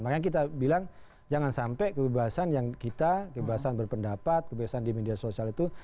makanya kita bilang jangan sampai kebebasan yang kita kebebasan berpendapat kebebasan di media sosial itu